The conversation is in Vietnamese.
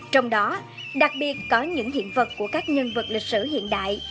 trong đó đặc biệt có những hiện vật của các nhân vật lịch sử hiện đại